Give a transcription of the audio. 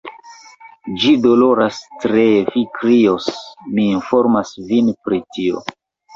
Ĝi doloras tre; vi krios, mi informas vin pri tio.